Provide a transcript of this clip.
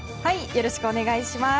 よろしくお願いします。